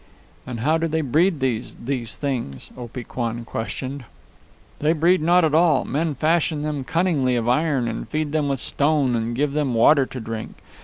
"And how do they breed these these things?" Opee Kwan questioned. "They breed not at all. Men fashion them cunningly of iron, and feed them with stone, and give them water to drink.